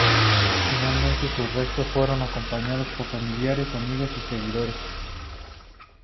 Finalmente, sus restos fueron acompañados por familiares, amigos y seguidores.